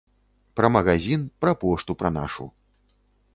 Пра магазін, пра пошту пра нашу.